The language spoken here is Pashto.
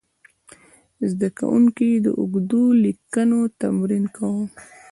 زده کوونکي د اوږدو لیکنو تمرین کاوه.